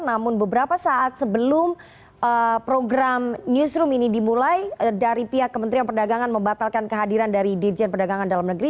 namun beberapa saat sebelum program newsroom ini dimulai dari pihak kementerian perdagangan membatalkan kehadiran dari dirjen perdagangan dalam negeri